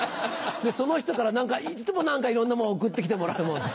その人からいつも何かいろんなもの送って来てもらう。